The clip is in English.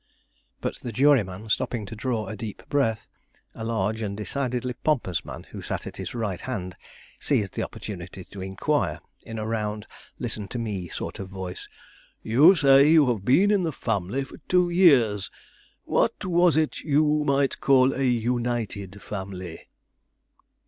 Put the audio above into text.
But the juryman stopping to draw a deep breath, a large and decidedly pompous man who sat at his right hand seized the opportunity to inquire in a round, listen to me sort of voice: "You say you have been in the family for two years. Was it what you might call a united family?"